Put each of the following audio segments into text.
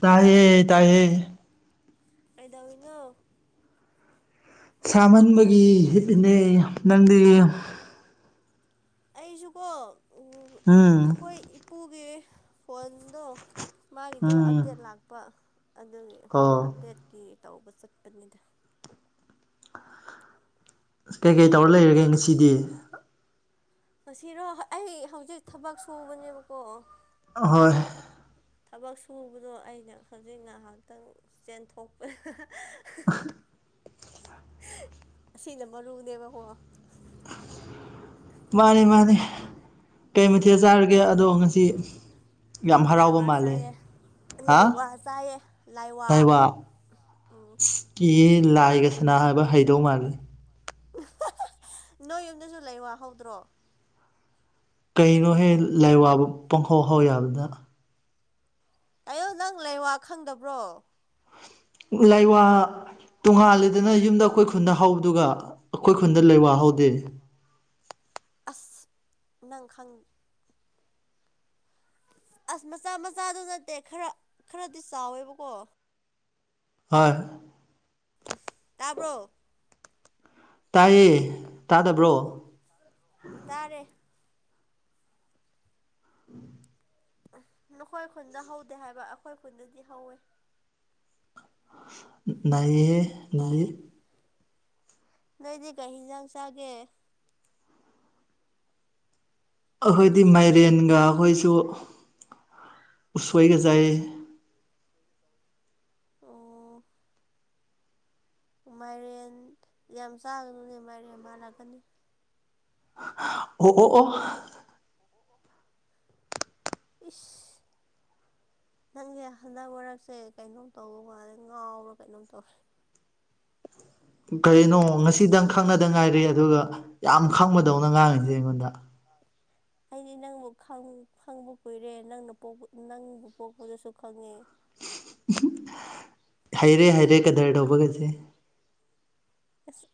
ꯇꯥꯏꯌꯦ ꯇꯥꯏꯌꯦ ꯀꯩꯗꯧꯏꯅꯣ ꯁꯥꯃꯟꯕꯒꯤ ꯍꯤꯞꯄꯤꯅꯦ ꯅꯪꯗꯤ ꯑꯩꯁꯨꯀꯣ ꯎꯝ ꯑꯩꯈꯣꯏ ꯏꯄꯨꯒꯤ ꯐꯣꯟꯗꯣ ꯃꯥꯒꯤꯗꯣ ꯎꯝ ꯑꯞꯗꯦꯠ ꯂꯥꯛꯄ ꯑꯗꯨꯒꯤ ꯑꯣ ꯑꯞꯗꯦꯠꯀꯤ ꯇꯧꯕ ꯆꯠꯄꯅꯤꯗ ꯀꯩ ꯀꯩ ꯇꯧꯔ ꯂꯩꯔꯒꯦ ꯉꯁꯤꯗꯤ ꯑꯁꯤꯔꯣ ꯑꯩ ꯍꯧꯖꯤꯛ ꯊꯕꯛ ꯁꯨꯕꯅꯦꯕꯀꯣ ꯍꯣꯏ ꯊꯕꯛ ꯁꯨꯕꯗꯣ ꯑꯩꯅ ꯍꯧꯖꯤꯛ ꯉꯥꯏꯍꯥꯛꯇꯡ ꯆꯦꯟꯊꯣꯛ ꯑ [inaudible] ꯑꯁꯤꯅ ꯃꯔꯨꯅꯦꯕꯀꯣ ꯃꯥꯅꯤ ꯃꯥꯅꯤ ꯀꯩ ꯃꯊꯦꯜ ꯆꯥꯔꯒꯦ ꯑꯗꯣ ꯉꯁꯤ ꯌꯥꯝ ꯍꯔꯥꯎꯕ ꯂꯥꯏꯋꯥ ꯃꯥꯜꯂꯦ ꯆꯥꯏꯌꯦ ꯍꯥ ꯂꯥꯏꯋꯥ ꯆꯥꯏꯌꯦ ꯂꯥꯏꯋꯥ ꯎꯝ ꯀꯤꯌꯦ ꯂꯥꯏꯒ ꯁꯥꯟꯅꯧ ꯍꯥꯏꯕ ꯍꯩꯗꯧ ꯃꯥꯜꯂꯦ ꯅꯣꯏ ꯌꯨꯝꯗꯁꯨ ꯂꯩꯋꯥ ꯍꯧꯗ꯭ꯔꯣ ꯀꯩꯅꯣ ꯍꯦ ꯂꯥꯏ ꯋꯥꯕꯨ ꯄꯨꯡꯍꯧ ꯍꯧ ꯌꯥꯕꯅ ꯑꯌꯨ ꯅꯪ ꯂꯩꯋꯥ ꯈꯪꯗꯕ꯭ꯔꯣ ꯂꯩꯋꯥ ꯇꯣꯡꯉꯥꯜꯂꯤꯗꯅ ꯌꯨꯝꯗ ꯑꯩꯈꯣꯏ ꯈꯨꯟꯗ ꯍꯧꯕꯗꯨꯒ ꯑꯩꯈꯣꯏ ꯈꯨꯟꯗ ꯂꯩꯋꯥ ꯍꯧꯗꯦ ꯑꯁ ꯅꯪ ꯈꯪ ꯑꯁ ꯃꯆꯥ ꯃꯆꯥꯗꯨ ꯅꯠꯇꯦ ꯈꯔ ꯈꯔꯗꯤ ꯆꯥꯎꯋꯦꯕꯀꯣ ꯍꯣꯏ ꯇꯥꯕ꯭ꯔꯣ ꯇꯥꯏꯌꯦ ꯇꯥꯗꯕ꯭ꯔꯣ ꯇꯥꯔꯦ ꯎꯝ ꯅꯈꯣꯏ ꯈꯨꯟꯗ ꯍꯧꯗꯦ ꯍꯥꯏꯕ ꯑꯩꯈꯣꯏ ꯈꯨꯟꯗꯗꯤ ꯍꯧꯋꯦ ꯅꯩꯍꯦ ꯑꯗꯨꯗꯤ ꯅꯣꯏꯗꯤ ꯀꯩ ꯍꯤꯟꯖꯥꯡ ꯆꯥꯒꯦ ꯑꯩꯈꯣꯏꯗꯤ ꯃꯥꯏꯔꯦꯟꯒ ꯑꯩꯈꯣꯏꯁꯨ ꯎꯁꯣꯏꯒ ꯆꯥꯏꯌꯦ ꯑꫭ ꯃꯥꯏꯔꯦꯟ ꯌꯥꯝ ꯆꯥꯒꯅꯨꯅꯦ ꯃꯥꯏꯔꯦꯟ ꯃꯥꯜꯂꯛꯀꯅꯤ ꯑꯣ ꯑꯣ ꯑꫭ ꯏꯁ ꯅꯪꯁꯦ ꯍꯟꯗꯛ ꯃꯔꯛꯁꯦ ꯀꯩꯅꯣꯝ ꯇꯧꯕ ꯃꯥꯜꯂꯦ ꯉꯥꯎꯔꯥꯕ ꯀꯩꯅꯣꯝ ꯇꯧꯋꯦ ꯀꯩꯅꯣ ꯉꯁꯤꯗꯪ ꯈꯪꯅꯗ ꯉꯥꯏꯔꯤ ꯑꯗꯨꯒ ꯌꯥꯝ ꯈꯪꯕꯗꯧꯅ ꯉꯥꯡꯉꯤꯁꯦ ꯑꯩꯉꯣꯟꯗ [inaudible] ꯑꯩꯗꯤ ꯅꯪꯕꯨ ꯈꯪꯕ ꯀꯨꯏꯔꯦ ꯅꯪꯅ ꯄꫭꯛꯄ ꯅꯪꯕꯨ ꯄꯣꯛꯄꯗꯁꯨ ꯈꯪꯉꯦ ꯍꯩꯔꯦ ꯍꯩꯔꯦ ꯀꯗꯔ ꯇꯧꯕꯒꯖꯦ ꯑꯁ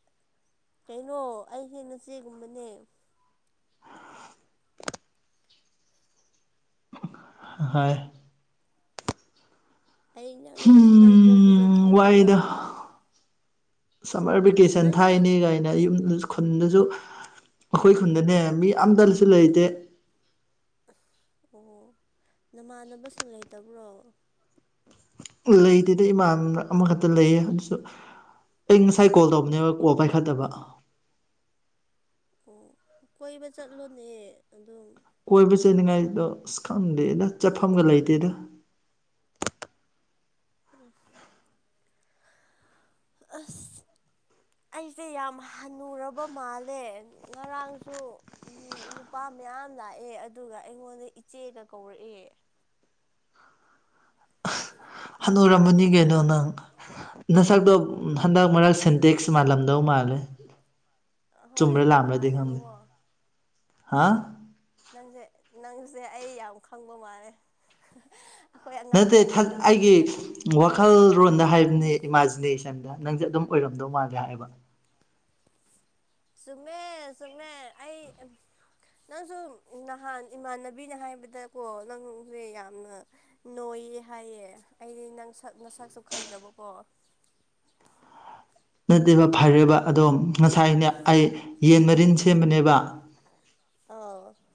ꯀꯩꯅꯣ ꯑꯩꯖꯦ ꯅꯆꯦ ꯒꯨꯝꯕꯅꯦ ꯍꯣꯏ ꯑꯩ ꯅꯪ ꯅꯪ ꯄꯣꯛꯄꯗꯣ ꯍꯨꯝ ꯈꯪꯉꯦꯕ ꯁꯔꯃꯔꯕꯦ ꯀꯦꯁꯟ ꯊꯥꯏ ꯅꯪꯗꯤ ꯅꯤ ꯒꯥꯏ ꯒꯥꯔꯤ ꯑꯝꯇꯖꯨ ꯈꯨꯟꯗꯁꯨ ꯑꯩꯈꯣꯏ ꯈꯨꯟꯗꯅꯦ ꯃꯤ ꯑꯝꯇꯁꯨ ꯂꯩꯇꯦ ꯑꯣ ꯅꯃꯥꯟꯅꯕꯁꯤꯡ ꯂꯩꯇꯕ꯭ꯔꯣ ꯂꯩꯇꯦꯗ ꯏꯃꯥꯟꯅꯕ ꯑꯃꯈꯛꯇ ꯂꯩꯌꯦ ꯑꯗꯨꯁꯨ ꯑꯩ ꯉꯁꯥꯏ ꯀꯣꯜ ꯇꯧꯕꯅꯦꯕ ꯀꯣꯜ ꯄꯥꯏꯈꯠꯇꯕ ꯑꯣ ꯀꯣꯏꯕ ꯆꯠꯂꯨꯅꯦ ꯑꯗꯨꯝ ꯀꯣꯏꯕ ꯆꯠꯅꯤꯡꯉꯥꯏꯗꯣ ꯑꯁ ꯈꯪꯗꯦꯗ ꯆꯠꯐꯝꯒ ꯂꯩꯇꯦꯗ ꯎꯝ ꯑꯁ ꯑꯩꯁꯦ ꯌꯥꯝ ꯍꯟꯅꯨꯔꯕ ꯃꯥꯜꯂꯦ ꯉꯔꯥꯡꯁꯨ ꯅꯨꯄꯥ ꯃꯌꯥꯝ ꯂꯥꯛꯑꯦ ꯑꯗꯨꯒ ꯑꯩꯉꯣꯟꯗ ꯏꯆꯦꯒ ꯀꯧꯔꯛꯑꯦ ꯈꯅꯨꯔꯝꯃꯅꯤ ꯀꯩꯅꯣ ꯅꯪ ꯅꯁꯛ ꯅꯁꯛꯇꯣ ꯍꯟꯗꯛ ꯃꯔꯛ ꯁꯦꯟꯇꯦꯛꯁ ꯃꯥꯜꯂꯝꯗꯧ ꯃꯥꯜꯂꯦ ꯍꯣꯏ ꯆꯨꯝꯕꯔ ꯂꯥꯟꯕꯔꯗꯤ ꯈꯪꯗꯦ ꯃꯥꯜꯂꯦꯕꯀꯣ ꯅꯪꯁꯦ ꯅꯪꯁꯦ ꯑꯩ ꯌꯥꯝ ꯈꯪꯕ ꯃꯥꯜꯂꯦ ꯑꯩꯈꯣꯏ ꯑꯉꯥꯡꯁꯦ ꯑꯩꯉꯣꯟꯗ ꯌꯦꯡꯉꯒ ꯂꯩꯔꯦ ꯋꯥꯈꯜꯂꯣꯟꯗ ꯍꯥꯏꯕꯅꯦ ꯏꯃꯥꯖꯤꯅꯦꯁꯟꯗ ꯅꯪꯁꯦ ꯑꯗꯨꯝ ꯑꯣꯏꯔꯝꯗꯧ ꯃꯥꯜꯂꯦ ꯍꯥꯏꯕ ꯆꯨꯝꯃꯦ ꯆꯨꯝꯃꯦ ꯅꯪꯁꯨ ꯅꯍꯥꯟ ꯏꯃꯥꯟꯅꯕꯤꯅ ꯍꯥꯏꯕꯗꯀꯣ ꯅꯪꯖꯦ ꯌꯥꯝꯅ ꯅꯣꯏꯌꯦ ꯍꯥꯏꯌꯦ ꯑꯩꯗꯤ ꯅꯪ ꯅꯁꯛꯁꯨ ꯈꯪꯗꯕꯀꯣ ꯅꯠꯇꯦꯕ ꯐꯔꯦꯕ ꯑꯗꯣ ꯉꯁꯥꯏꯅꯦ ꯑꯩ ꯌꯦꯟ ꯃꯔꯤꯟ ꯁꯦꯝꯕꯅꯦꯕ ꯑꯥꯎ [unintelligible]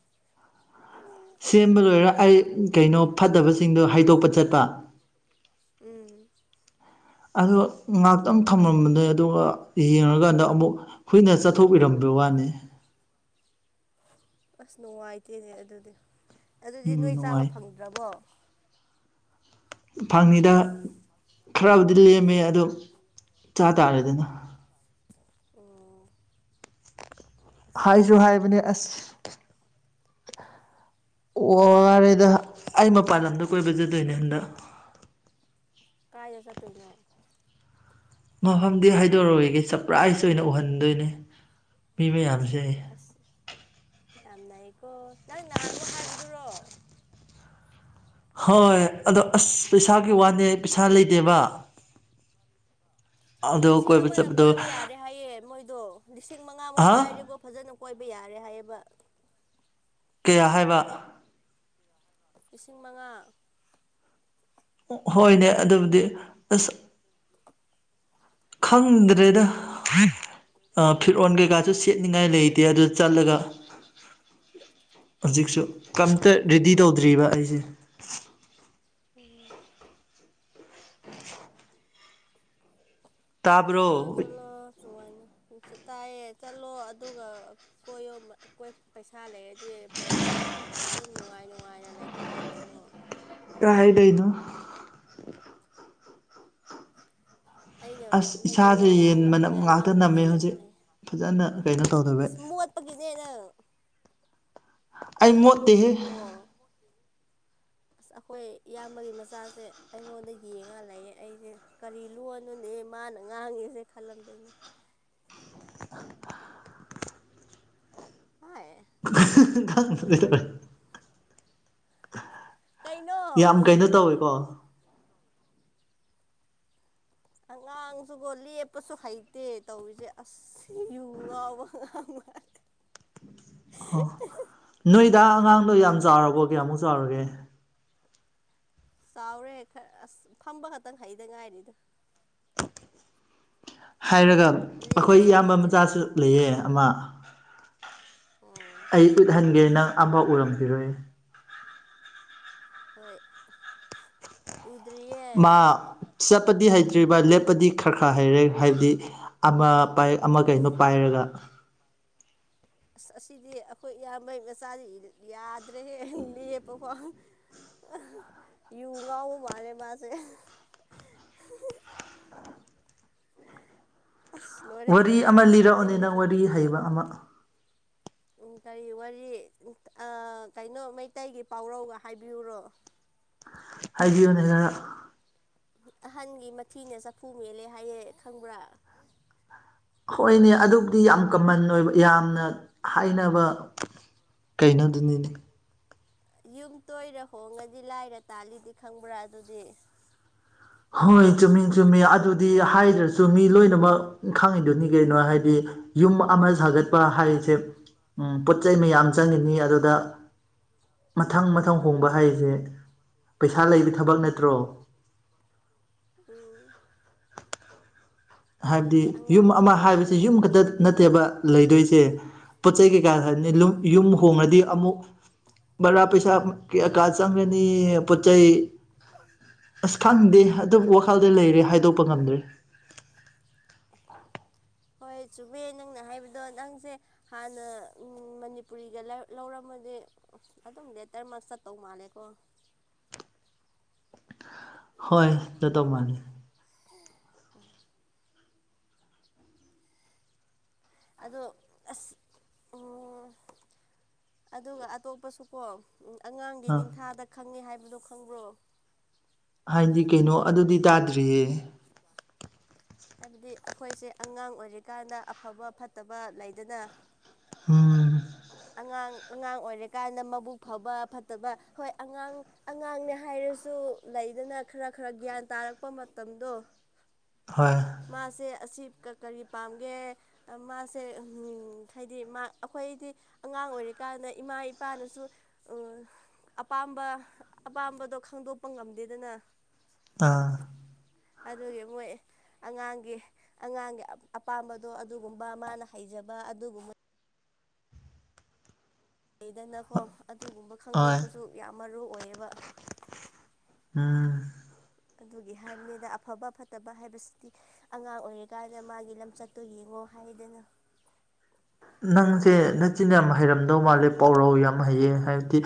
ꯁꯦꯝꯕ ꯂꯣꯏꯔ ꯑꯩ ꯀꯩꯅꯣ ꯐꯠꯇꯕꯁꯤꯡꯗꯣ ꯍꯥꯥꯩꯗꯣꯛꯄ ꯆꯠꯄ ꯎꯝ ꯑꯗꯣ ꯉꯥꯏꯍꯥꯛꯇꯪ ꯊꯝꯂꯝꯕꯅꯦ ꯑꯗꯨꯒ ꯌꯦꯡꯉꯀꯥꯟꯗ ꯑꯃꯨꯛ ꯍꯨꯏꯅ ꯆꯠꯊꯣꯛꯢꯔꯝꯕ [unintelligible] ꯋꯥꯅꯦ ꯑꯁ ꯅꯨꯡꯉꯥꯏꯇꯦꯌꯦ ꯑꯗꯨꯗꯤ ꯑꯗꯨꯗꯤ ꯎꯝ ꯅꯣꯏ ꯆꯥꯕ ꯅꯨꯡꯉꯥꯏ ꯐꯪꯗ꯭ꯔꯕꯣ ꯐꯪꯉꯤꯗꯥ ꯈꯔꯕꯨꯗꯤ ꯂꯦꯝꯃꯦ ꯑꯗꯣ ꯆꯥ ꯇꯥꯔꯦꯗꯅꯥ ꯑꯣ ꯑꯁ ꯍꯥꯏꯁꯨ ꯍꯥꯏꯕꯅꯤ ꯑꯁ ꯋꯥꯔꯦꯗ ꯑꯩ ꯃꯄꯥꯟ ꯂꯝꯗ ꯀꯣꯏꯕ ꯆꯠꯇꯣꯏꯅꯦ ꯍꯟꯗꯛ ꯀꯥꯏꯗ ꯥꯆꯠꯇꯣꯏꯅꯣ ꯃꯐꯝꯗꯤ ꯍꯥꯏꯗꯣꯛꯑꯔꯣꯏꯒꯦ ꯁꯄ꯭ꯔꯥꯏꯁ ꯑꯣꯏꯅ ꯎꯍꯟꯗꯣꯏꯅꯦ ꯃꯤ ꯃꯌꯥꯝꯁꯦ ꯑꯩ ꯑꯁ ꯌꯥꯝꯅꯩꯀꯣ ꯅꯪ ꯅꯍꯥꯟꯃꯨꯛ ꯍꯥꯏꯕꯗꯨꯔꯣ ꯍꯣꯏ ꯑꯗꯣ ꯑꯁ ꯄꯩꯁꯥꯒꯤ ꯋꯥꯅꯦ ꯑꯩ ꯄꯩꯁꯥ ꯂꯩꯇꯦꯕ ꯑꯗꯣ ꯂꯤꯁꯤꯡ ꯀꯣꯏꯕ ꯑꯃꯅ ꯆꯠꯄꯗꯣ ꯀꯣꯏꯕ ꯌꯥꯔꯗꯤ ꯍꯥꯏꯌꯦ ꯃꯣꯏꯗꯣ ꯂꯤꯁꯤꯡ ꯃꯉꯥꯃꯨꯛ ꯑꯍ ꯄꯥꯏꯗꯤꯕ ꯐꯖꯅ ꯀꯣꯏꯕ ꯌꯥꯔꯦ ꯍꯥꯏꯌꯦꯕꯥ ꯀꯌꯥ ꯍꯥꯏꯕꯥ ꯂꯤꯁꯤꯡ ꯃꯉꯥ ꯍꯣꯏꯅꯦ ꯑꯗꯨꯕꯨꯗꯤ ꯑꯁ ꯈꯪꯗ꯭ꯔꯦꯗꯥ ꯐꯤꯠ ꯔꯣꯟ ꯀꯩꯀꯥꯁꯨ ꯁꯦꯠꯅꯤꯡꯉꯥꯏ ꯂꯩꯇꯦ ꯑꯗꯨꯗ ꯆꯠꯂꯒ ꯍꯧꯖꯤꯛꯁꯨ ꯀꯝꯇ [unintelligible] ꯔꯦꯗꯤ ꯇꯧꯗ꯭ꯔꯤꯕ ꯑꯩꯁꯦ ꯎ ꯇꯥꯕ꯭ꯔꯣ ꯆꯠꯂꯣ ꯆꯠꯂꯣ ꯅꯨꯡꯉꯥꯏꯅ ꯇꯥꯏꯌꯦ [unintelligible] ꯆꯠꯂꯣ ꯑꯗꯨꯒ ꯀꯣꯌꯣ ꯀꯣꯏ ꯄꯩꯁꯥ ꯂꯩ ꯔꯗꯤ ꯑꯗꯨꯝ ꯅꯨꯡꯉꯥꯏ ꯅꯨꯡꯉꯥꯏꯅ ꯂꯩꯊꯣꯛꯑꯣ ꯀꯩꯅꯣ ꯇꯥꯏ ꯀꯩꯅꯣ [unintelligible] ꯑꯩꯅ ꯑꯁ ꯏꯁꯥꯁꯦ ꯃꯩꯇꯩꯂꯣꯟ ꯌꯦꯟ ꯉꯥꯡꯉꯒ ꯃꯅꯝ ꯑꯩꯈꯣꯏ ꯉꯥꯛꯇ ꯑꯉꯥꯡꯗꯨ ꯅꯝꯃꯦ ꯍꯧꯖꯤꯛ ꯌꯦꯡꯉꯨꯅꯦ ꯐꯖꯅ ꯀꯩꯅꯣ ꯇꯧꯗꯕꯩ ꯑꯁ ꯃꯣ [unintelligible] ꯑꯒꯤꯅꯦꯗ [unintelligible] ꯑꯩ ꯃꯣꯠꯇꯦꯍꯦ ꯑꯣ ꯑꯁ ꯑꯩꯈꯣꯏ ꯏꯌꯥꯝꯕꯒꯤ ꯃꯆꯥꯁꯦ ꯑꯩꯉꯣꯟꯗ ꯌꯦꯡꯉ ꯂꯩꯌꯦ ꯑꯩꯁꯦ ꯀꯔꯤ ꯂꯣꯟꯅꯣꯅꯦ ꯃꯥꯅ ꯉꯥꯡꯉꯤꯁꯦ ꯈꯜꯂꯝꯗꯣꯏꯅꯦ ꯍꯣꯏ [unintelligible] [unintelligible] ꯀꯩꯅꯣ [unintelligible] ꯑꯉꯥꯡꯁꯨꯀꯣ ꯂꯦꯞꯄꯁꯨ ꯍꯩꯇꯦ ꯇꯧꯔꯤꯁꯦ ꯑꯁ ꯁꯤ ꯌꯨ ꯉꯥꯎꯕ ꯑꯉꯥꯡ ꯃꯥꯜꯂꯦ ꯑꯣ ꯅꯣꯏ ꯗꯥ ꯑꯉꯥꯡꯗꯣ ꯌꯥꯝ ꯆꯥꯎꯔꯕꯣ ꯀꯌꯥꯃꯨꯛ ꯆꯥꯎꯔꯒꯦ ꯆꯥꯎꯔꯦ ꯈꯔ ꯑꯁ ꯐꯝꯕ ꯈꯛꯇꯪ ꯍꯩꯗ ꯉꯥꯏꯔꯤꯗ ꯍꯥꯏꯔꯒ ꯑꯩꯈꯣꯏ ꯂꯦꯞꯄꯁꯨ ꯏꯌꯥꯝꯕ ꯍꯩꯇꯦ ꯃꯆꯥꯁꯨ ꯂꯩꯌꯦ ꯑꯃ ꯎꯝ ꯑꯩ ꯎꯠꯍꯟꯒꯦ ꯅꯪ ꯑꯃ ꯐꯥꯎ ꯎꯔꯝꯒꯤꯔꯣꯏ ꯍꯣꯏ ꯎꯗ꯭ꯔꯤꯌꯦ ꯃꯥ ꯆꯠꯄꯗꯤ ꯍꯩꯇ꯭ꯔꯤꯕ ꯂꯦꯞꯄꯗꯤ ꯈꯔ ꯈꯔ ꯍꯩꯔꯦ ꯍꯥꯏꯕꯗꯤ ꯑꯃ ꯄꯥꯏ ꯑꯃ ꯀꯩꯅꯣ ꯄꯥꯏꯔꯒ ꯑꯁ ꯑꯁꯤꯗꯤ ꯑꯩꯈꯣꯏ ꯏꯌꯥꯝꯕꯩ ꯃꯆꯥꯗꯤ ꯌꯥꯗ꯭ꯔꯦꯍꯦ ꯂꯦꯞꯄ ꯐꯥꯎ ꯌꯨ ꯉꯥꯎꯕ ꯃꯥꯜꯂꯦ ꯃꯥꯁꯦ ꯑꯁ ꯂꯣꯏꯔꯦ ꯋꯥꯔꯤ ꯂꯣꯏꯔꯦ ꯑꯃ ꯂꯤꯔꯛꯑꯣꯅꯦ ꯅꯪ ꯃꯇꯤꯜꯒꯁꯦ ꯋꯥꯔꯤ ꯍꯩꯕ ꯑꯃ ꯎꯝ ꯀꯔꯤ ꯋꯥꯔꯤ ꯑ ꯀꯩꯅꯣ ꯃꯩꯇꯩꯒꯤ ꯄꯥꯎꯔꯧ ꯍꯥꯏꯕꯤꯌꯨꯔꯣ ꯍꯥꯏꯕꯤꯌꯨꯅꯦ ꯅꯪꯅ ꯑꯍꯥꯟꯒꯤ ꯃꯊꯤꯅ ꯆꯐꯨ ꯃꯦꯜꯂꯦ ꯍꯥꯏꯌꯦ ꯈꯪꯕ꯭ꯔꯥ ꯍꯣꯏꯅꯣ ꯑꯗꯨꯕꯨꯗꯤ ꯌꯥꯝ ꯀꯃꯟ ꯑꯣꯏꯕ ꯌꯥꯝꯅ ꯍꯥꯏꯅꯕ ꯀꯩꯅꯣꯗꯨꯅꯤꯅꯦ ꯌꯨꯝ ꯇꯣꯏꯔ ꯍꯣꯡꯉꯗꯤ ꯂꯥꯏꯔ ꯇꯥꯜꯂꯤꯗꯤ ꯈꯪꯕ꯭ꯔꯥ ꯑꯗꯨꯗꯤ ꯍꯣꯏ ꯆꯨꯝꯃꯤ ꯆꯨꯝꯃꯤ ꯑꯗꯨꯗꯤ ꯍꯥꯏꯗ꯭ꯔꯥꯁꯨ ꯃꯤ ꯂꯣꯏꯅꯃꯛ ꯈꯪꯉꯤꯗꯨꯅꯤ ꯀꯩꯅꯣ ꯍꯥꯏꯗꯤ ꯌꯨꯝ ꯑꯃ ꯁꯥꯒꯠ ꯄ ꯍꯥꯏꯁꯦ ꯎꯝ ꯄꯣꯠꯆꯩ ꯃꯌꯥꯝ ꯆꯪꯉꯤꯅꯤ ꯑꯗꯨꯗ ꯃꯊꯪ -ꯃꯊꯪ ꯍꯣꯡꯕ ꯍꯥꯏꯁꯦ ꯄꯩꯁꯥ ꯂꯩꯕꯤ ꯊꯕꯛ ꯅꯠꯇ꯭ꯔꯣ ꯎꯝ꯫ ꯍꯥꯏꯕꯗꯤ ꯑꯗꯨꯗꯤ ꯌꯨꯝ ꯑꯉꯥꯡꯒꯤ ꯑꯃ ꯅꯤꯡꯊꯥꯗ ꯍꯥꯏꯕꯁꯤ ꯌꯨꯝ ꯈꯪꯉꯦ ꯈꯛꯇ ꯍꯥꯏꯕꯗꯤ ꯅꯠꯇꯦꯕ ꯂꯩꯗꯣꯏꯁꯦ ꯄꯣꯠ ꯆꯩ ꯀꯩꯀꯥ ꯍꯥꯏꯅꯤ ꯂꯨꯝ-ꯌꯨꯝ ꯍꯣꯡꯉꯗꯤ ꯑꯃꯨꯛ ꯕꯔꯥ ꯄꯩꯁꯥ ꯀꯩ-ꯀꯌꯥ ꯆꯪꯒꯅꯤ ꯄꯣꯠꯆꯩ ꯑꯁ ꯈꯪꯗꯦ ꯑꯗꯨ ꯋꯥꯈꯜꯗ ꯂꯩꯔꯦ ꯍꯥꯏꯗꯣꯛꯄ ꯉꯝꯗ꯭ꯔꯦ [inaudible] ꯍꯣꯏ ꯆꯨꯝꯃꯤ ꯅꯪꯅ ꯍꯥꯏꯕꯗꯣ ꯅꯪꯁꯦ ꯍꯥꯟꯅ ꯎꯝ ꯃꯅꯤꯄꯨꯔꯤꯒ ꯂꯧ ꯂꯧꯔꯝꯃꯗꯤ ꯑꯗꯨꯝ ꯂꯦꯇꯔꯃꯥꯛ ꯆꯠꯇꯧ ꯃꯥꯜꯂꯦꯀꯣ ꯍꯣꯏ ꯆꯠꯇꯧ ꯃꯥꯟꯅꯤ ꯎꯝ꯫ ꯑꯗꯣ ꯑꯁ ꯎꯝ ꯑꯗꯨꯒ ꯑꯇꯣꯞꯄꯁꯨꯀꯣ ꯎꯝ ꯑꯉꯥꯡꯒꯤ ꯑꯥ ꯅꯤꯡꯊꯥꯗ ꯈꯪꯉꯦ ꯍꯥꯏꯕꯗꯣ ꯈꯪꯕ꯭ꯔꯣ ꯍꯥꯏꯗꯤ ꯀꯩꯅꯣ ꯑꯗꯨꯗꯤ ꯇꯥꯗ꯭ꯔꯤꯌꯦ ꯍꯥꯏꯕꯗꯤ ꯑꯩꯈꯣꯏꯁꯦ ꯑꯉꯥꯡ ꯑꯣꯏꯔꯤꯀꯥꯟꯗ ꯑꯐꯕ ꯐꯠꯇꯕ ꯂꯩꯗꯅ ꯎꯝ꯫ ꯑꯉꯥꯡ ꯑꯉꯥꯡ ꯑꯣꯏꯔꯀꯥꯟꯗ ꯃꯕꯨꯛ ꯐꯕꯥ ꯐꯠꯇꯕ ꯍꯣꯏ ꯑꯉꯥꯡ ꯑꯉꯥꯡꯅꯦ ꯍꯥꯏꯔꯁꯨ ꯂꯩꯗꯅ ꯈꯔ ꯈꯔ ꯒ꯭ꯌꯥꯟ ꯇꯥꯔꯛꯄ ꯃꯇꯝꯗꯣ ꯍꯣꯏ ꯃꯥꯁꯦ ꯑꯁꯤ ꯀ ꯀꯔꯤ ꯄꯥꯝꯒꯦ ꯃꯥꯁꯦ ꯍꯨꯝ ꯍꯥꯏꯗꯤ ꯃꯥ ꯑꯩꯈꯣꯏꯗꯤ ꯑꯉꯥꯡ ꯑꯣꯏꯔꯤꯀꯥꯟꯗ ꯏꯃꯥ ꯏꯄꯥꯅꯁꯨ ꯎꯝ ꯑꯄꯥꯝꯕ ꯑꯄꯥꯝꯕꯗꯣ ꯈꯪꯗꯣꯛꯄ ꯉꯝꯗꯦꯗꯅ ꯑꯥ ꯑꯗꯨꯒꯤ ꯃꯣꯏ ꯑꯉꯥꯡꯒꯤ -ꯑꯉꯥꯡꯒꯤ ꯑꯄꯥꯝꯕꯗꯣ ꯑꯗꯨꯒꯨꯝꯕ ꯃꯥꯅ ꯍꯩꯖꯕ ꯑꯗꯨꯒꯨꯝꯕ ꯂꯩꯗꯅꯀꯣ ꯑꯗꯨꯒꯨꯝꯕ ꯍꯣꯏ ꯈꯪꯗꯣꯛꯄꯁꯨ ꯌꯥꯝ ꯃꯔꯨ ꯑꯣꯏꯌꯦꯕ꯫ ꯎꯝ꯫ ꯑꯗꯨꯒꯤ ꯍꯥꯏꯕꯅꯤꯗ ꯑꯐꯕ ꯐꯠꯇꯕ ꯍꯥꯏꯕꯁꯤꯗꯤ꯫ ꯑꯉꯥꯡ ꯑꯣꯏꯔꯤꯀꯥꯟꯗ ꯃꯥꯒꯤ ꯂꯝꯆꯠꯇꯨ ꯌꯦꯡꯉꯣ ꯍꯥꯏꯗꯅ꯫ ꯅꯪꯁꯦ ꯅꯆꯤꯟ ꯌꯥꯝ ꯍꯩꯔꯝꯗꯧ ꯃꯥꯜꯂꯦ ꯄꯥꯎꯔꯧ ꯌꯥꯝ ꯍꯩꯌꯦ ꯍꯥꯏꯕꯗꯤ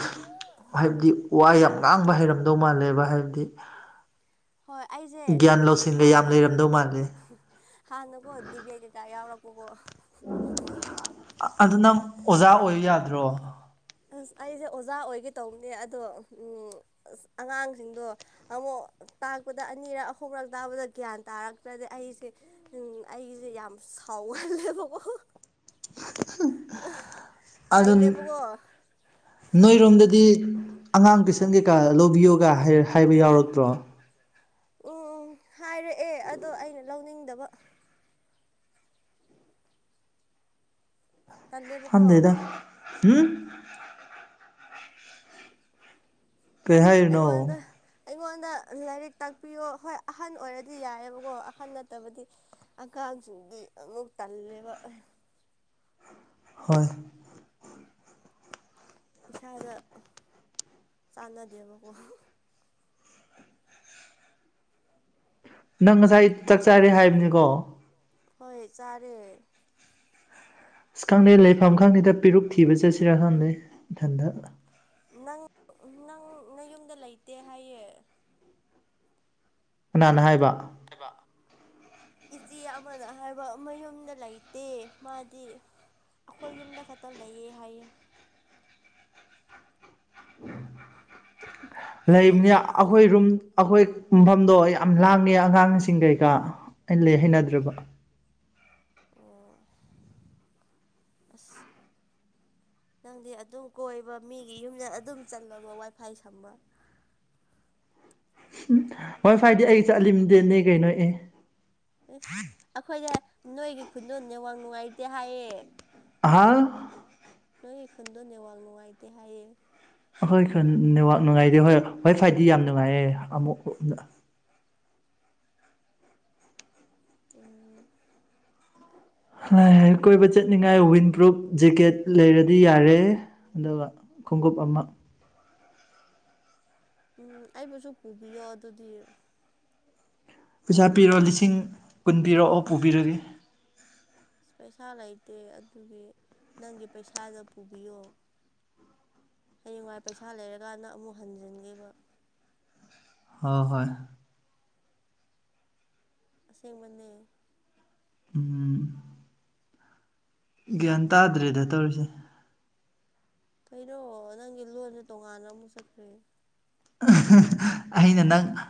ꯍꯥꯏꯕꯗꯤ ꯋꯥ ꯌꯥꯝ ꯉꯥꯡꯕ ꯍꯩꯔꯝꯗꯧ ꯃꯥꯜꯂꯦꯕ ꯍꯥꯏꯕꯗꯤ꯫ ꯍꯣꯏ ꯑꯩꯁꯦ ꯒ꯭ꯌꯥꯟ ꯂꯧꯁꯤꯡꯒ ꯌꯥꯝ ꯍꯥꯟꯅ ꯂꯩꯔꯝꯗꯧ ꯃꯥꯜꯂꯤ ꯍꯥꯟꯅ ꯀꯣ ꯗꯤꯕꯦꯠꯀꯩꯀꯥ ꯌꯥꯎ꯭ꯔꯛꯄꯒꯣ꯫ ꯑꯗꯨ ꯅꯪ ꯑꯣꯖꯥ ꯑꯣꯏ ꯌꯥꯗ꯭ꯔꯣ꯫ ꯑꯁ ꯑꯩꯁꯦ ꯑꯣꯖꯥ ꯑꯣꯏꯒꯦ ꯇꯧꯕꯅꯦ ꯑꯗꯣꯎꯝ ꯑꯁ ꯑꯉꯥꯡꯁꯤꯡꯗꯣ꯫ ꯑꯃꯨꯛ ꯇꯥꯛꯄꯗ ꯑꯅꯤꯔꯛ ꯑꯍꯨꯝꯂꯛ ꯇꯥꯛꯕꯗ ꯒ꯭ꯌꯥꯟ ꯇꯥꯔꯛꯇ꯭ꯔꯗꯤ ꯑꯩꯁꯦ ꯎꯝ ꯑꯩꯁꯦ ꯌꯥꯝ ꯁꯥꯎꯍꯜꯂꯦꯕꯀꯣ꯫ ꯑꯗꯨꯝ ꯇꯜꯂꯦꯕꯀꯣ ꯅꯣꯏꯔꯣꯝꯗꯗꯤ ꯑꯉꯥꯡ ꯇꯨꯏꯁꯟ ꯀꯩꯀꯥ ꯂꯧꯕꯤꯌꯣ꯫ ꯑꯦꯄ [unintelligible] ꯎꯝ ꯍꯥꯏꯔꯛꯑꯦ ꯑꯗꯣ ꯑꯩꯅ ꯂꯧꯅꯤꯡꯗꯕ꯫ ꯇꯜꯂꯦꯕꯀꯣ ꯈꯪꯗꯦꯗ ꯎꯝ꯫ ꯀꯩ ꯍꯥꯏꯔꯤꯅꯣ ꯑꯩꯉꯣꯟꯗ꯫ ꯑꯩꯉꯣꯟꯗ ꯂꯥꯏꯔꯤꯛ ꯇꯥꯛꯄꯤꯌꯣ ꯍꯣꯏ ꯑꯍꯟ ꯑꯣꯏꯔꯗꯤ ꯌꯥꯏꯑꯕꯀꯣ ꯑꯍꯟ ꯅꯠꯇꯕꯗꯤ꯫ ꯑꯉꯥꯡꯁꯤꯡꯗꯤ ꯑꯃꯨꯛ ꯇꯜꯂꯦꯕ꯫ ꯍꯣꯏ꯫ ꯏꯁꯥꯗ ꯆꯥꯟꯅꯗꯦꯕꯀꯣ꯫ ꯅꯪ ꯉꯁꯥꯏ ꯆꯥꯛꯆꯔꯦ ꯍꯥꯏꯕꯅꯤꯀꯣ꯫ ꯍꯣꯏ ꯆꯥꯔꯦ꯫ ꯑꯁ ꯈꯪꯗꯦ ꯂꯩꯐꯝ ꯈꯪꯗꯦꯗ ꯄꯤꯔꯨꯛ ꯊꯤꯕ ꯆꯠꯁꯤꯔꯥ ꯈꯪꯗꯦ ꯏꯊꯟꯗ꯫ ꯅꯪ ꯅꯪ ꯅꯌꯨꯝꯗ ꯂꯩꯇꯦ ꯍꯥꯏꯌꯦ꯫ ꯀꯅꯥꯅ ꯍꯥꯏꯕ꯫ ꯍꯥꯏꯕ꯫ ꯏꯆꯦ ꯑꯃꯅ ꯍꯥꯏꯕ ꯃꯌꯨꯝꯗ ꯂꯩꯇꯦ ꯃꯥꯗꯤ꯫ ꯑꯩꯈꯣꯏ ꯌꯨꯝꯗ ꯈꯛꯇ ꯂꯩꯌꯦ ꯍꯥꯏꯌꯦ꯫ ꯂꯩꯕꯅꯤ ꯆꯨꯝꯃꯝꯗꯧ ꯃꯥꯜꯂꯦ ꯑꯩꯈꯣꯏ ꯔꯨꯝ꯫ ꯑꯩꯈꯣꯏ ꯈꯨꯝꯐꯝꯗꯣ ꯌꯥꯝ ꯂꯥꯡꯉꯦ ꯑꯉꯥꯡꯁꯤꯡ ꯀꯩꯀꯥ ꯑꯩ ꯂꯩ ꯍꯩꯅꯗ꯭ꯔꯕ꯫ ꯑꯣ ꯑꯁ꯫ ꯅꯪꯗꯤ ꯑꯗꯨꯝ ꯀꯣꯏꯕ ꯃꯤꯒꯤ ꯌꯨꯝꯗ ꯑꯗꯨꯝ ꯆꯜꯂꯒ ꯋꯥꯏ ꯐꯥꯏ ꯁꯥꯝꯕ꯫ ꯎꯝ ꯋꯥꯏ ꯐꯥꯏꯗꯤ ꯑꯩ ꯆꯠꯂꯤꯝꯗꯤꯅꯦ ꯀꯩꯅꯣ ꯑꯦ ꯏꯁ ꯑꯩꯈꯣꯏꯗ ꯅꯣꯏꯒꯤ ꯈꯨꯟꯗꯣꯅꯦꯠꯋꯥꯛ ꯅꯨꯡꯉꯥꯏꯇꯦ ꯍꯥꯏꯌꯦ꯫ ꯍꯥ꯫ ꯅꯣꯏꯒꯤ ꯈꯨꯟꯗꯣꯅꯦꯠꯋꯥꯛ ꯅꯨꯡꯉꯥꯏꯇꯦ ꯍꯥꯏꯌꯦ꯫ ꯑꯍꯣꯏ ꯅꯦꯠꯋꯥꯛ ꯅꯨꯡꯉꯥꯏꯇꯦ ꯍꯣꯏ ꯋꯥꯢ ꯐꯥꯏꯗꯤ ꯌꯥꯝ ꯅꯨꯡꯉꯥꯏꯌꯦ ꯑꯃꯨꯛ ꯎꯝ꯫ ꯑꯁ ꯍꯣꯏ ꯀꯣꯏꯕ ꯈꯪꯗ꯭ꯔꯦꯗ ꯆꯠꯅꯤꯡꯉꯥꯏ ꯋꯤꯟ ꯄ꯭ꯔꯨꯨꯞ ꯖꯦꯛꯀꯦꯠ ꯂꯩꯔꯗꯤ ꯌꯥꯔꯦ ꯑꯗꯨꯒ꯫ ꯈꯣꯡꯎꯞ ꯑꯃ꯫ ꯎꯝ ꯑꯩꯕꯨꯁꯨ ꯄꯨꯕꯤꯌꯣ ꯑꯗꯨꯗꯤ꯫ ꯄꯩꯁꯥ ꯄꯤꯔꯣ ꯂꯤꯁꯤꯡ ꯀꯨꯟ ꯄꯤꯔꯣ ꯑꯣ ꯄꯨꯕꯤꯔꯒꯦ꯫ ꯄꯩꯁꯥ ꯂꯩꯇꯦ ꯑꯗꯨꯒꯤ ꯅꯪꯒꯤ ꯄꯩꯁꯥ ꯅ ꯄꯨꯕꯤꯌꯣ ꯍꯌꯦꯡꯋꯥꯏ ꯄꯩꯁꯥ ꯂꯩꯔꯀꯥꯟꯗ ꯑꯃꯨꯛ ꯍꯟꯖꯟꯒꯦꯕ ꯍꯣꯏ ꯍꯣꯏ ꯑꯁꯦꯡꯕꯅꯦ ꯎꯝ ꯒ꯭ꯌꯥꯟ ꯇꯥꯗ꯭ꯔꯦꯗ ꯇꯧꯔꯤꯁꯦ ꯀꯩꯅꯣ ꯅꯪꯒꯤ ꯂꯣꯟꯁꯦ ꯇꯣꯡꯉꯥꯟꯅ ꯑꯃꯨꯛ ꯆꯠꯈ꯭ꯔꯦ ꯑꯩꯅ ꯅꯪ